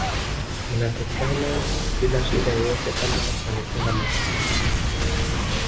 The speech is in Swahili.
itaonekana bila shida yoyote Kama umefunga macho